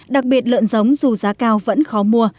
đặc biệt lợn giống dù giá cao vẫn khó mua